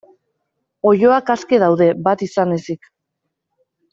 Oiloak aske daude, bat izan ezik.